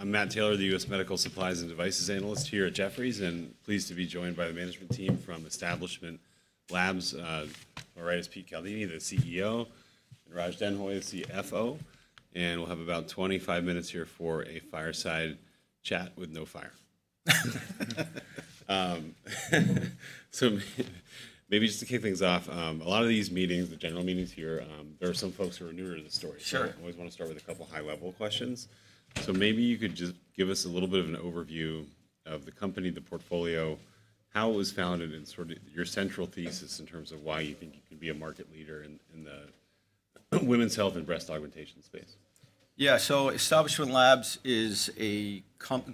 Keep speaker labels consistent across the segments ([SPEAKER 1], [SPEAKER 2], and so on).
[SPEAKER 1] I'm Matt Taylor, the U.S. Medical Supplies and Devices Analyst here at Jefferies, and pleased to be joined by the management team from Establishment Labs. Our [right] is Peter Caldini, the CEO, and Raj Denhoy, the CFO. We'll have about 25 minutes here for a fireside chat with no fire. Maybe just to kick things off, a lot of these meetings, the general meetings here, there are some folks who are newer to the story. Sure. I always want to start with a couple of high-level questions. Maybe you could just give us a little bit of an overview of the company, the portfolio, how it was founded, and sort of your central thesis in terms of why you think you can be a market leader in the women's health and breast augmentation space.
[SPEAKER 2] Yeah, so Establishment Labs is a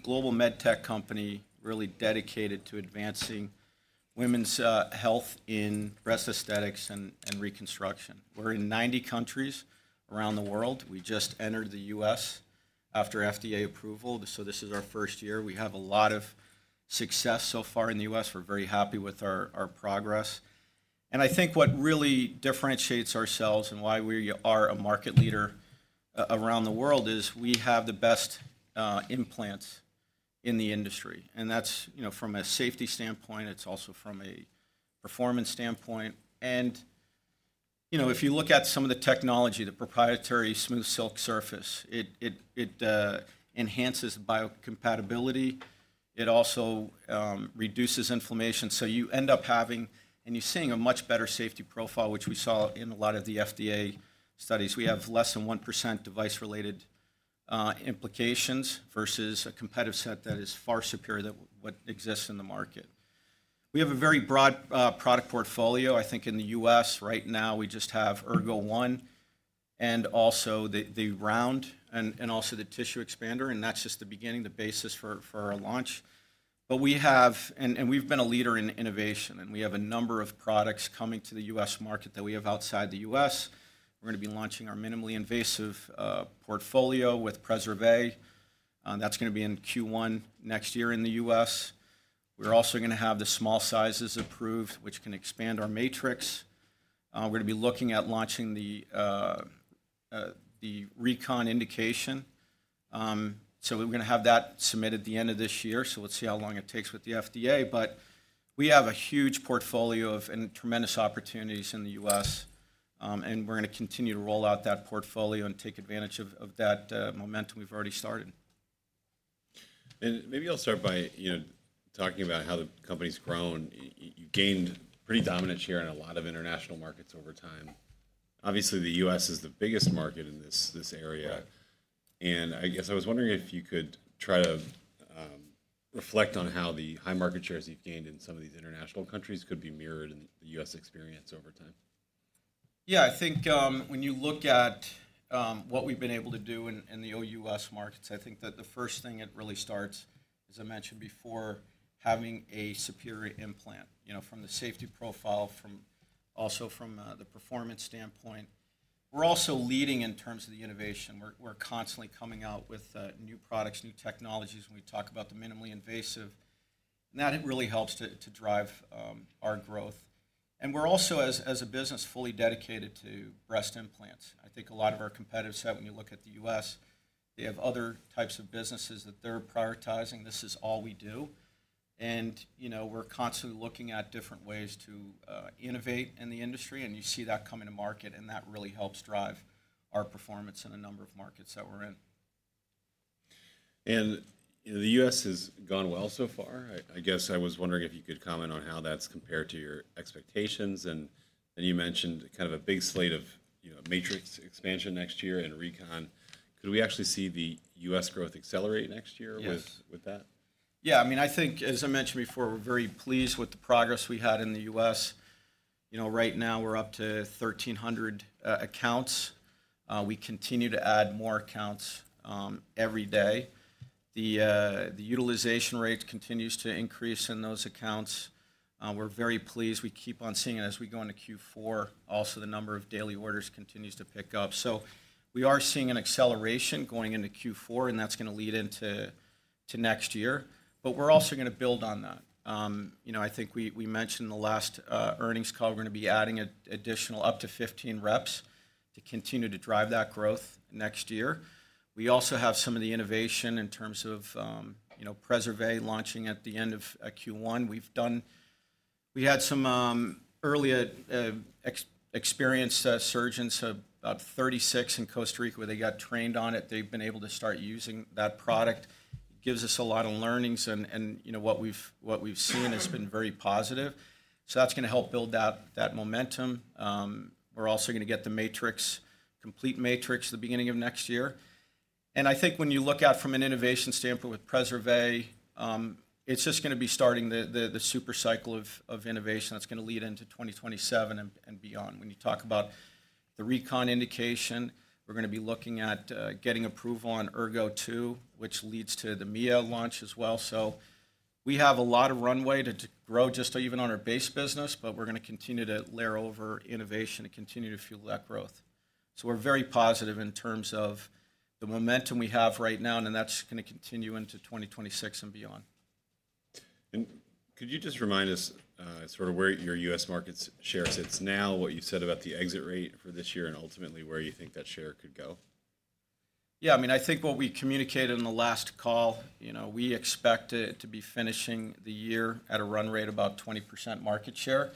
[SPEAKER 2] global medtech company really dedicated to advancing women's health in breast aesthetics and reconstruction. We're in 90 countries around the world. We just entered the U.S. after FDA approval, so this is our first year. We have a lot of success so far in the U.S. We're very happy with our progress. I think what really differentiates ourselves and why we are a market leader around the world is we have the best implants in the industry. That's, you know, from a safety standpoint. It's also from a performance standpoint. You know, if you look at some of the technology, the proprietary SmoothSilk surface, it enhances biocompatibility. It also reduces inflammation. You end up having and you're seeing a much better safety profile, which we saw in a lot of the FDA studies. We have less than 1% device-related implications versus a competitive set that is far superior to what exists in the market. We have a very broad product portfolio. I think in the U.S. right now, we just have Ergo One and also the Round and also the Tissue Expander. That is just the beginning, the basis for our launch. We have and we've been a leader in innovation, and we have a number of products coming to the U.S. market that we have outside the U.S. We are going to be launching our minimally invasive portfolio with Preservé. That is going to be in Q1 next year in the U.S. We are also going to have the small sizes approved, which can expand our matrix. We are going to be looking at launching the Recon Indication. We are going to have that submitted at the end of this year. We will see how long it takes with the FDA. We have a huge portfolio of tremendous opportunities in the U.S., and we are going to continue to roll out that portfolio and take advantage of that momentum we have already started.
[SPEAKER 1] Maybe I'll start by, you know, talking about how the company's grown. You gained pretty dominant share in a lot of international markets over time. Obviously, the U.S. is the biggest market in this area. I guess I was wondering if you could try to reflect on how the high market shares you've gained in some of these international countries could be mirrored in the U.S. experience over time.
[SPEAKER 2] Yeah, I think when you look at what we've been able to do in the OUS markets, I think that the first thing it really starts, as I mentioned before, having a superior implant, you know, from the safety profile, from also from the performance standpoint. We're also leading in terms of the innovation. We're constantly coming out with new products, new technologies. When we talk about the minimally invasive, that really helps to drive our growth. We're also, as a business, fully dedicated to breast implants. I think a lot of our competitors have, when you look at the U.S., they have other types of businesses that they're prioritizing. This is all we do. You know, we're constantly looking at different ways to innovate in the industry, and you see that come into market, and that really helps drive our performance in a number of markets that we're in.
[SPEAKER 1] The U.S. has gone well so far. I guess I was wondering if you could comment on how that's compared to your expectations. You mentioned kind of a big slate of, you know, matrix expansion next year and Recon. Could we actually see the U.S. growth accelerate next year with that?
[SPEAKER 2] Yeah, I mean, I think, as I mentioned before, we're very pleased with the progress we had in the U.S. You know, right now we're up to 1,300 accounts. We continue to add more accounts every day. The utilization rate continues to increase in those accounts. We're very pleased. We keep on seeing it as we go into Q4. Also, the number of daily orders continues to pick up. We are seeing an acceleration going into Q4, and that's going to lead into next year. We're also going to build on that. You know, I think we mentioned in the last earnings call we're going to be adding additional up to 15 reps to continue to drive that growth next year. We also have some of the innovation in terms of, you know, Preservé launching at the end of Q1. We've done, we had some early experienced surgeons, about 36 in Costa Rica, where they got trained on it. They've been able to start using that product. It gives us a lot of learnings, and, you know, what we've seen has been very positive. That is going to help build that momentum. We're also going to get the matrix, complete matrix, at the beginning of next year. I think when you look at from an innovation standpoint with Preservé, it's just going to be starting the super cycle of innovation that's going to lead into 2027 and beyond. When you talk about the Recon Indication, we're going to be looking at getting approval on Ergo Two, which leads to the Mia launch as well. We have a lot of runway to grow just even on our base business, but we're going to continue to layer over innovation and continue to fuel that growth. We are very positive in terms of the momentum we have right now, and that's going to continue into 2026 and beyond.
[SPEAKER 1] Could you just remind us sort of where your U.S. market share sits now, what you said about the exit rate for this year, and ultimately where you think that share could go?
[SPEAKER 2] Yeah, I mean, I think what we communicated in the last call, you know, we expect it to be finishing the year at a run rate of about 20% market share,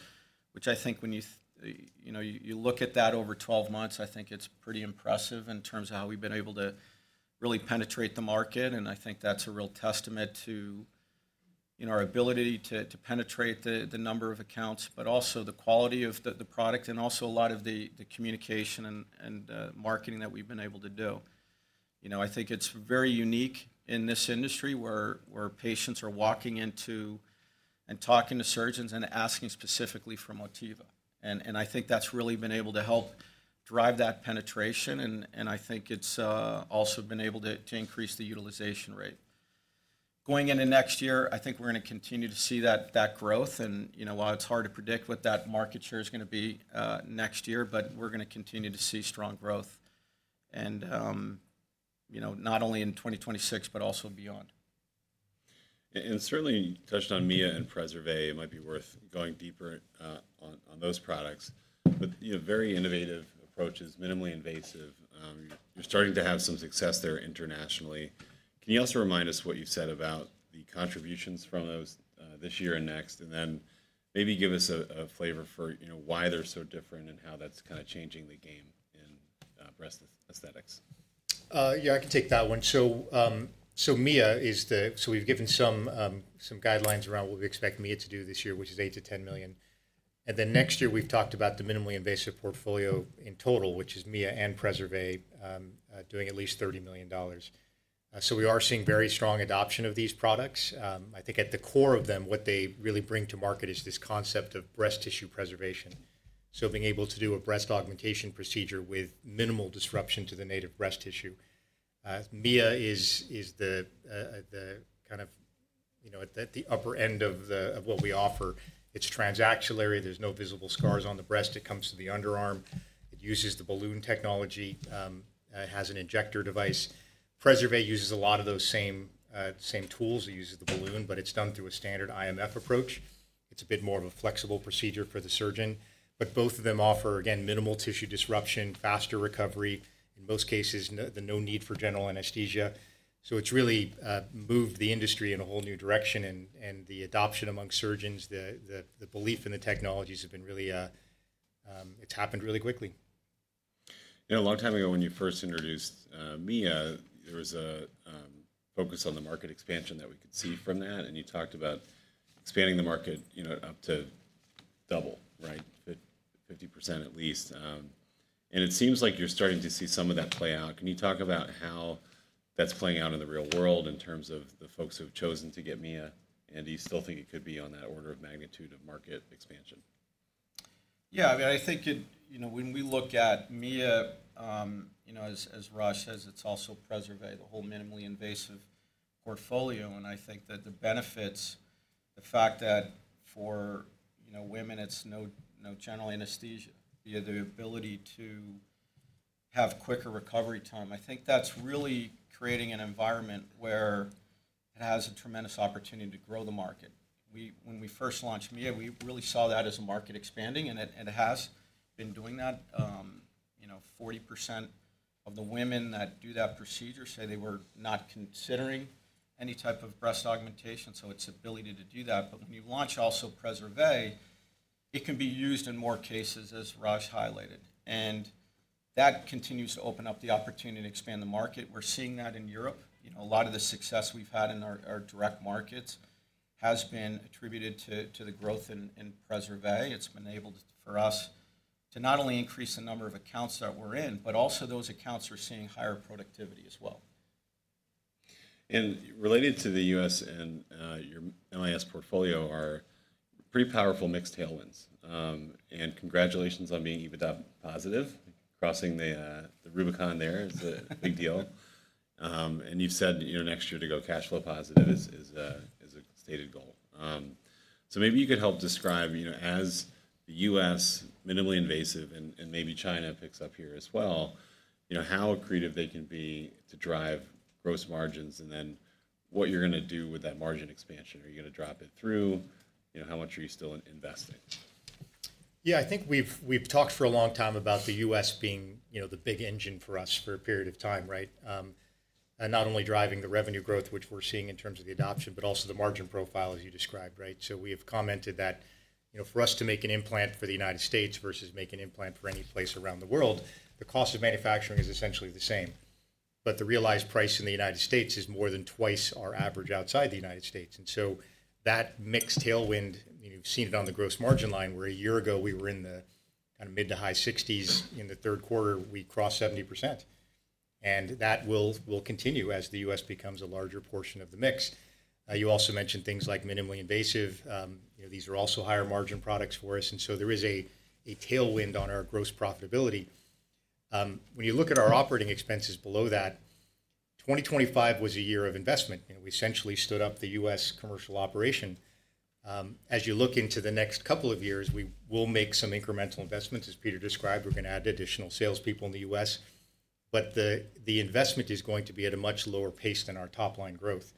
[SPEAKER 2] which I think when you, you know, you look at that over 12 months, I think it's pretty impressive in terms of how we've been able to really penetrate the market. I think that's a real testament to, you know, our ability to penetrate the number of accounts, but also the quality of the product and also a lot of the communication and marketing that we've been able to do. You know, I think it's very unique in this industry where patients are walking into and talking to surgeons and asking specifically for Motiva. I think that's really been able to help drive that penetration, and I think it's also been able to increase the utilization rate. Going into next year, I think we're going to continue to see that growth. You know, while it's hard to predict what that market share is going to be next year, we're going to continue to see strong growth, you know, not only in 2026, but also beyond.
[SPEAKER 1] You touched on Mia and Preservé. It might be worth going deeper on those products. You know, very innovative approaches, minimally invasive. You're starting to have some success there internationally. Can you also remind us what you've said about the contributions from those this year and next, and then maybe give us a flavor for, you know, why they're so different and how that's kind of changing the game in breast aesthetics?
[SPEAKER 3] Yeah, I can take that one. Mia is the, so we've given some guidelines around what we expect Mia to do this year, which is $8 million-$10 million. Next year we've talked about the minimally invasive portfolio in total, which is Mia and Preservé, doing at least $30 million. We are seeing very strong adoption of these products. I think at the core of them, what they really bring to market is this concept of breast tissue preservation. Being able to do a breast augmentation procedure with minimal disruption to the native breast tissue. Mia is the kind of, you know, at the upper end of what we offer. It's trans-axillary. There's no visible scars on the breast. It comes to the underarm. It uses the balloon technology. It has an injector device. Preservé uses a lot of those same tools. It uses the balloon, but it's done through a standard IMF approach. It's a bit more of a flexible procedure for the surgeon. Both of them offer, again, minimal tissue disruption, faster recovery, in most cases, no need for general anesthesia. It has really moved the industry in a whole new direction, and the adoption among surgeons, the belief in the technologies, has been really, it's happened really quickly.
[SPEAKER 1] You know, a long time ago when you first introduced Mia, there was a focus on the market expansion that we could see from that, and you talked about expanding the market, you know, up to double, right, 50% at least. It seems like you're starting to see some of that play out. Can you talk about how that's playing out in the real world in terms of the folks who have chosen to get Mia, and do you still think it could be on that order of magnitude of market expansion?
[SPEAKER 2] Yeah, I mean, I think it, you know, when we look at Mia, you know, as Raj says, it's also Preservé, the whole minimally invasive portfolio. I think that the benefits, the fact that for, you know, women, it's no general anesthesia, the ability to have quicker recovery time, I think that's really creating an environment where it has a tremendous opportunity to grow the market. When we first launched Mia, we really saw that as a market expanding, and it has been doing that. You know, 40% of the women that do that procedure say they were not considering any type of breast augmentation, so its ability to do that. When you launch also Preservé, it can be used in more cases, as Raj highlighted. That continues to open up the opportunity to expand the market. We're seeing that in Europe. You know, a lot of the success we've had in our direct markets has been attributed to the growth in Preservé. It's been able for us to not only increase the number of accounts that we're in, but also those accounts are seeing higher productivity as well.
[SPEAKER 1] Related to the U.S. and your MIS portfolio are pretty powerful mixed tailwinds. Congratulations on being EBITDA positive. Crossing the Rubicon there is a big deal. You have said, you know, next year to go cash flow positive is a stated goal. Maybe you could help describe, you know, as the U.S. minimally invasive and maybe China picks up here as well, you know, how creative they can be to drive gross margins and then what you are going to do with that margin expansion. Are you going to drop it through? You know, how much are you still investing?
[SPEAKER 3] Yeah, I think we've talked for a long time about the U.S. being, you know, the big engine for us for a period of time, right, and not only driving the revenue growth, which we're seeing in terms of the adoption, but also the margin profile, as you described, right? We have commented that, you know, for us to make an implant for the United States versus make an implant for any place around the world, the cost of manufacturing is essentially the same. The realized price in the United States is more than twice our average outside the United States. That mixed tailwind, you've seen it on the gross margin line, where a year ago we were in the kind of mid to high 60s. In the third quarter, we crossed 70%. That will continue as the U.S. becomes a larger portion of the mix. You also mentioned things like minimally invasive. You know, these are also higher margin products for us. There is a tailwind on our gross profitability. When you look at our operating expenses below that, 2025 was a year of investment. You know, we essentially stood up the U.S. commercial operation. As you look into the next couple of years, we will make some incremental investments. As Peter described, we're going to add additional salespeople in the U.S. The investment is going to be at a much lower pace than our top-line growth.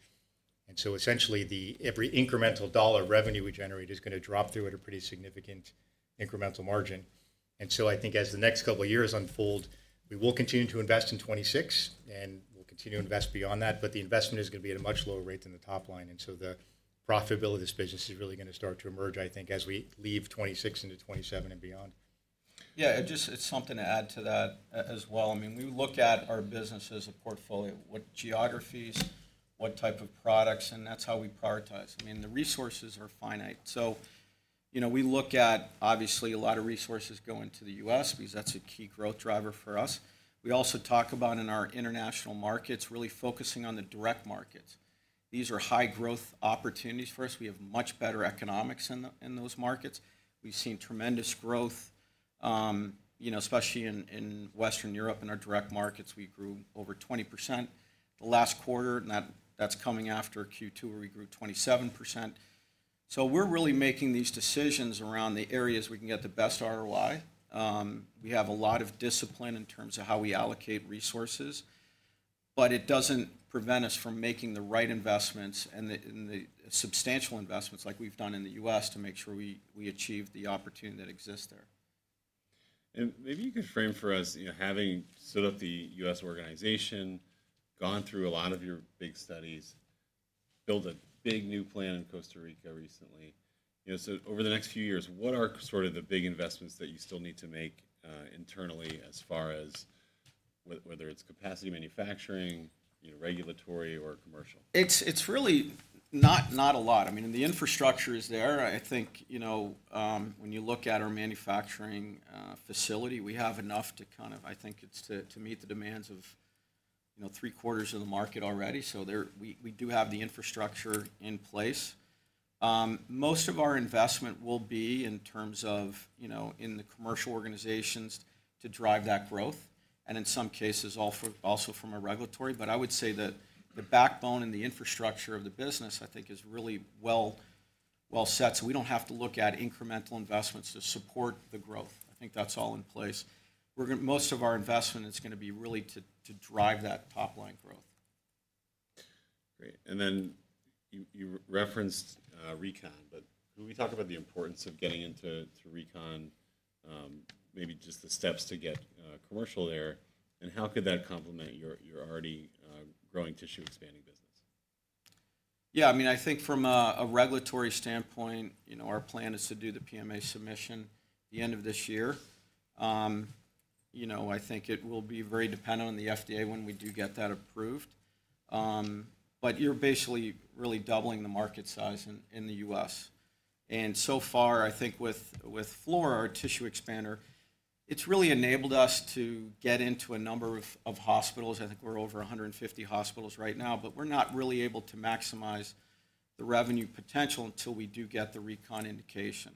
[SPEAKER 3] Essentially, every incremental dollar revenue we generate is going to drop through at a pretty significant incremental margin. I think as the next couple of years unfold, we will continue to invest in 2026, and we'll continue to invest beyond that. The investment is going to be at a much lower rate than the top line. The profitability of this business is really going to start to emerge, I think, as we leave 2026 into 2027 and beyond.
[SPEAKER 2] Yeah, just something to add to that as well. I mean, we look at our business as a portfolio, what geographies, what type of products, and that's how we prioritize. I mean, the resources are finite. You know, we look at obviously a lot of resources going to the U.S. because that's a key growth driver for us. We also talk about in our international markets really focusing on the direct markets. These are high-growth opportunities for us. We have much better economics in those markets. We've seen tremendous growth, you know, especially in Western Europe in our direct markets. We grew over 20% the last quarter, and that's coming after Q2, where we grew 27%. We are really making these decisions around the areas we can get the best ROI. We have a lot of discipline in terms of how we allocate resources, but it does not prevent us from making the right investments and the substantial investments like we've done in the U.S. to make sure we achieve the opportunity that exists there.
[SPEAKER 1] Maybe you could frame for us, you know, having stood up the U.S. organization, gone through a lot of your big studies, built a big new plant in Costa Rica recently, you know, over the next few years, what are sort of the big investments that you still need to make internally as far as whether it's capacity manufacturing, you know, regulatory or commercial?
[SPEAKER 2] It's really not a lot. I mean, the infrastructure is there. I think, you know, when you look at our manufacturing facility, we have enough to kind of, I think, to meet the demands of, you know, three quarters of the market already. We do have the infrastructure in place. Most of our investment will be in terms of, you know, in the commercial organizations to drive that growth, and in some cases also from a regulatory. I would say that the backbone and the infrastructure of the business, I think, is really well set. We do not have to look at incremental investments to support the growth. I think that's all in place. Most of our investment is going to be really to drive that top-line growth.
[SPEAKER 1] Great. You referenced Recon, but can we talk about the importance of getting into Recon, maybe just the steps to get commercial there, and how could that complement your already growing tissue-expanding business?
[SPEAKER 2] Yeah, I mean, I think from a regulatory standpoint, you know, our plan is to do the PMA submission at the end of this year. You know, I think it will be very dependent on the FDA when we do get that approved. You're basically really doubling the market size in the U.S. And so far, I think with FLORA, our tissue expander, it's really enabled us to get into a number of hospitals. I think we're over 150 hospitals right now, but we're not really able to maximize the revenue potential until we do get the Recon Indication.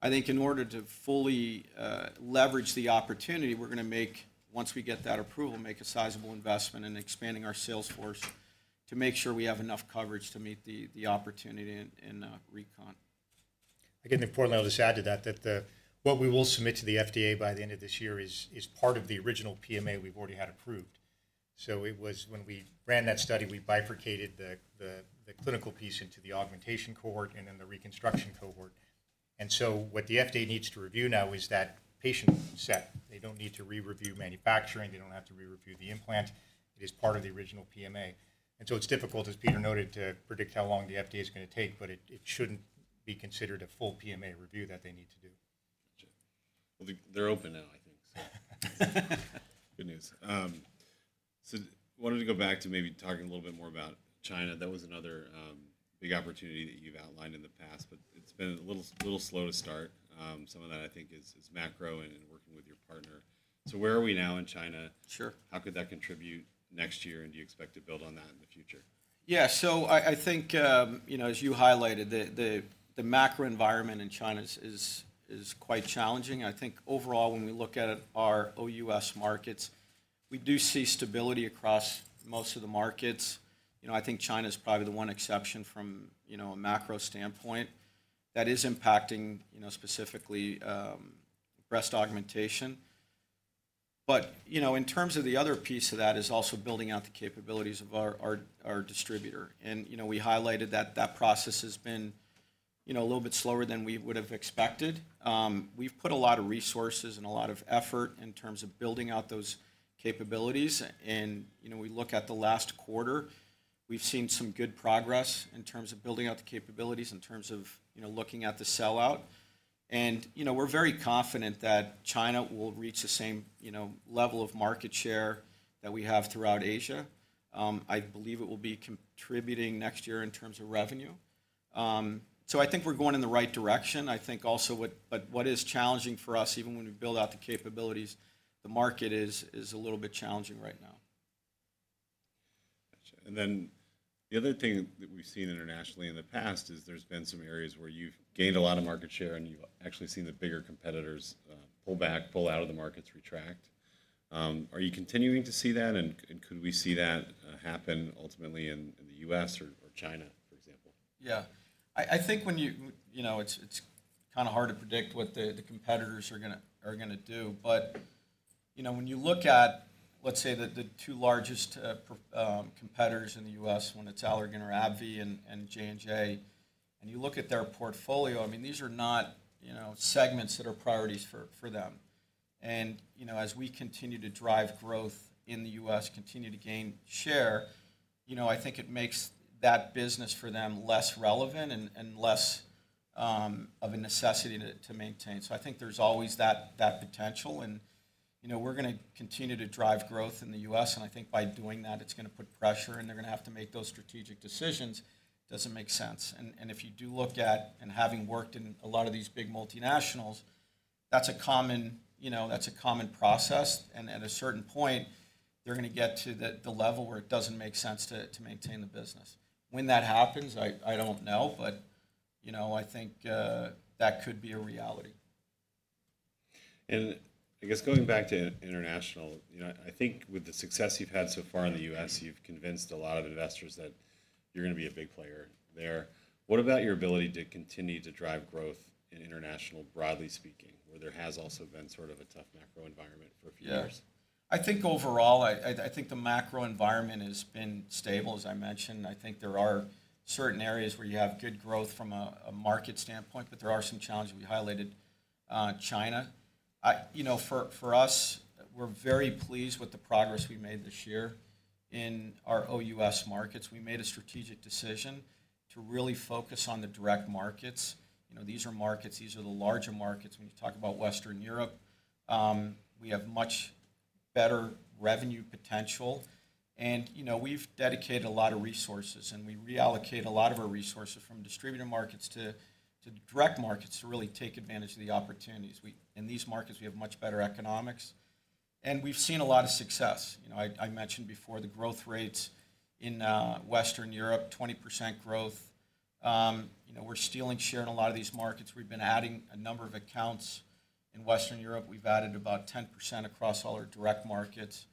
[SPEAKER 2] I think in order to fully leverage the opportunity, we're going to make, once we get that approval, make a sizable investment in expanding our sales force to make sure we have enough coverage to meet the opportunity in Recon.
[SPEAKER 3] I think importantly, I'll just add to that that what we will submit to the FDA by the end of this year is part of the original PMA we've already had approved. It was when we ran that study, we bifurcated the clinical piece into the augmentation cohort and then the reconstruction cohort. What the FDA needs to review now is that patient set. They don't need to re-review manufacturing. They don't have to re-review the implant. It is part of the original PMA. It's difficult, as Peter noted, to predict how long the FDA is going to take, but it shouldn't be considered a full PMA review that they need to do.
[SPEAKER 1] Gotcha. They are open now, I think. Good news. I wanted to go back to maybe talking a little bit more about China. That was another big opportunity that you have outlined in the past, but it has been a little slow to start. Some of that, I think, is macro and working with your partner. Where are we now in China?
[SPEAKER 2] Sure.
[SPEAKER 1] How could that contribute next year, and do you expect to build on that in the future?
[SPEAKER 2] Yeah, so I think, you know, as you highlighted, the macro environment in China is quite challenging. I think overall, when we look at our OUS markets, we do see stability across most of the markets. You know, I think China is probably the one exception from, you know, a macro standpoint that is impacting, you know, specifically breast augmentation. You know, in terms of the other piece of that is also building out the capabilities of our distributor. You know, we highlighted that that process has been, you know, a little bit slower than we would have expected. We've put a lot of resources and a lot of effort in terms of building out those capabilities. You know, we look at the last quarter, we've seen some good progress in terms of building out the capabilities, in terms of, you know, looking at the sellout. You know, we're very confident that China will reach the same, you know, level of market share that we have throughout Asia. I believe it will be contributing next year in terms of revenue. I think we're going in the right direction. I think also what is challenging for us, even when we build out the capabilities, the market is a little bit challenging right now.
[SPEAKER 1] Gotcha. The other thing that we've seen internationally in the past is there's been some areas where you've gained a lot of market share and you've actually seen the bigger competitors pull back, pull out of the markets, retract. Are you continuing to see that, and could we see that happen ultimately in the U.S. or China, for example?
[SPEAKER 2] Yeah, I think when you, you know, it's kind of hard to predict what the competitors are going to do. But, you know, when you look at, let's say, the two largest competitors in the U.S., when it's Allergan or AbbVie and J&J, and you look at their portfolio, I mean, these are not, you know, segments that are priorities for them. And, you know, as we continue to drive growth in the U.S., continue to gain share, you know, I think it makes that business for them less relevant and less of a necessity to maintain. I think there's always that potential. You know, we're going to continue to drive growth in the U.S., and I think by doing that, it's going to put pressure, and they're going to have to make those strategic decisions. Doesn't make sense. If you do look at, and having worked in a lot of these big multinationals, that's a common, you know, that's a common process. At a certain point, they're going to get to the level where it doesn't make sense to maintain the business. When that happens, I don't know, but, you know, I think that could be a reality.
[SPEAKER 1] I guess going back to international, you know, I think with the success you've had so far in the U.S., you've convinced a lot of investors that you're going to be a big player there. What about your ability to continue to drive growth in international, broadly speaking, where there has also been sort of a tough macro environment for a few years?
[SPEAKER 2] Yeah, I think overall, I think the macro environment has been stable, as I mentioned. I think there are certain areas where you have good growth from a market standpoint, but there are some challenges. We highlighted China. You know, for us, we're very pleased with the progress we made this year in our OUS markets. We made a strategic decision to really focus on the direct markets. You know, these are markets, these are the larger markets. You know, when you talk about Western Europe, we have much better revenue potential. You know, we've dedicated a lot of resources, and we reallocate a lot of our resources from distributor markets to direct markets to really take advantage of the opportunities. In these markets, we have much better economics. You know, we've seen a lot of success. You know, I mentioned before the growth rates in Western Europe, 20% growth. You know, we're stealing share in a lot of these markets. We've been adding a number of accounts in Western Europe. We've added about 10% across all our direct markets.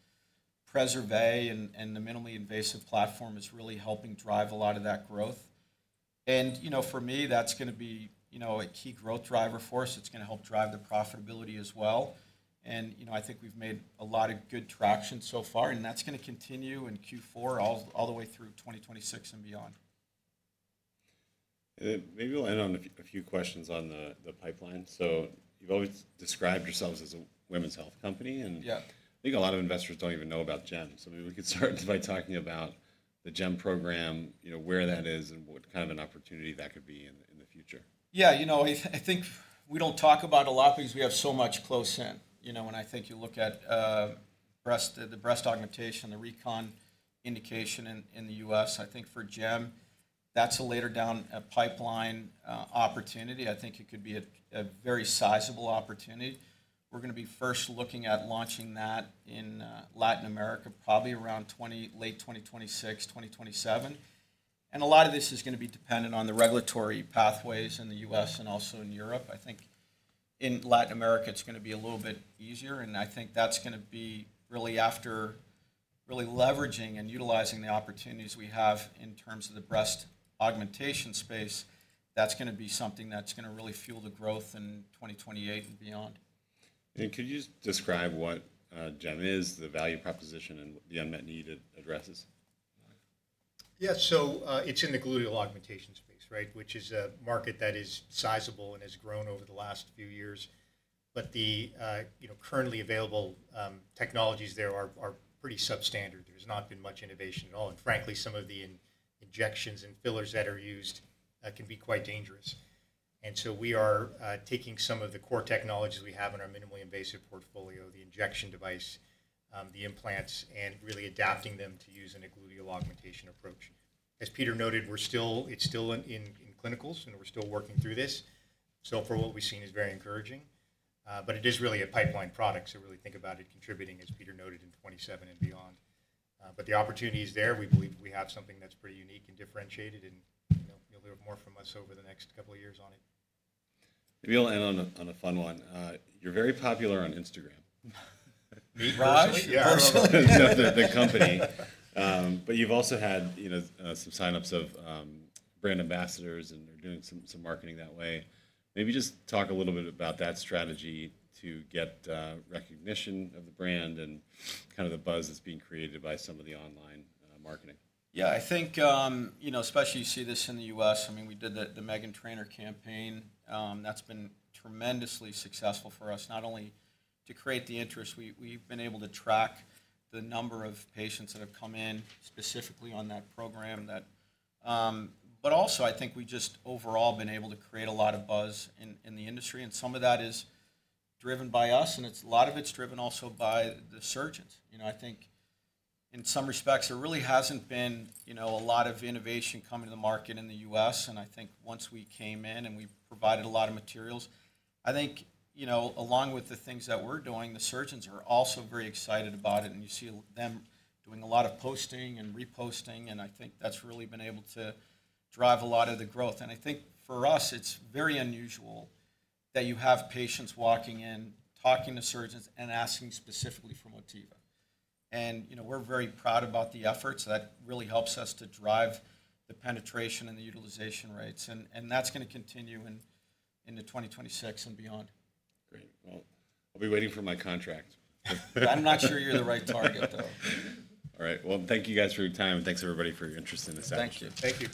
[SPEAKER 2] Preserve and the minimally invasive platform is really helping drive a lot of that growth. You know, for me, that's going to be, you know, a key growth driver for us. It's going to help drive the profitability as well. You know, I think we've made a lot of good traction so far, and that's going to continue in Q4 all the way through 2026 and beyond.
[SPEAKER 1] Maybe we'll end on a few questions on the pipeline. You've always described yourselves as a women's health company. I think a lot of investors don't even know about JEM. Maybe we could start by talking about the JEM program, you know, where that is and what kind of an opportunity that could be in the future.
[SPEAKER 2] Yeah, you know, I think we don't talk about it a lot because we have so much close in. You know, when I think you look at the breast augmentation, the Recon Indication in the U.S., I think for JEM, that's a later down pipeline opportunity. I think it could be a very sizable opportunity. We're going to be first looking at launching that in Latin America, probably around late 2026, 2027. A lot of this is going to be dependent on the regulatory pathways in the U.S. and also in Europe. I think in Latin America, it's going to be a little bit easier. I think that's going to be really after really leveraging and utilizing the opportunities we have in terms of the breast augmentation space. That's going to be something that's going to really fuel the growth in 2028 and beyond.
[SPEAKER 1] Could you describe what JEM is, the value proposition and the unmet need it addresses?
[SPEAKER 3] Yeah, so it's in the gluteal augmentation space, right, which is a market that is sizable and has grown over the last few years. The, you know, currently available technologies there are pretty substandard. There's not been much innovation at all. Frankly, some of the injections and fillers that are used can be quite dangerous. We are taking some of the core technologies we have in our minimally invasive portfolio, the injection device, the implants, and really adapting them to use in a gluteal augmentation approach. As Peter noted, it's still in clinicals, and we're still working through this. For what we've seen, it's very encouraging. It is really a pipeline product to really think about it contributing, as Peter noted, in 2027 and beyond. The opportunity is there. We believe we have something that's pretty unique and differentiated, and you'll hear more from us over the next couple of years on it.
[SPEAKER 1] Maybe I'll end on a fun one. You're very popular on Instagram.
[SPEAKER 3] Meet Raj?
[SPEAKER 2] Yeah.
[SPEAKER 1] The company. You have also had, you know, some signups of brand ambassadors and are doing some marketing that way. Maybe just talk a little bit about that strategy to get recognition of the brand and kind of the buzz that is being created by some of the online marketing.
[SPEAKER 2] Yeah, I think, you know, especially you see this in the U.S. I mean, we did the Meghan Trainor campaign. That's been tremendously successful for us, not only to create the interest. We've been able to track the number of patients that have come in specifically on that program. Also, I think we've just overall been able to create a lot of buzz in the industry. Some of that is driven by us, and a lot of it's driven also by the surgeons. You know, I think in some respects, there really hasn't been, you know, a lot of innovation coming to the market in the U.S. I think once we came in and we provided a lot of materials, I think, you know, along with the things that we're doing, the surgeons are also very excited about it. You see them doing a lot of posting and reposting. I think that's really been able to drive a lot of the growth. I think for us, it's very unusual that you have patients walking in, talking to surgeons, and asking specifically for Motiva. You know, we're very proud about the efforts. That really helps us to drive the penetration and the utilization rates. That's going to continue into 2026 and beyond.
[SPEAKER 1] Great. I'll be waiting for my contract.
[SPEAKER 2] I'm not sure you're the right target, though.
[SPEAKER 1] All right. Thank you guys for your time, and thanks everybody for your interest in this action.
[SPEAKER 2] Thank you.
[SPEAKER 3] Thank you.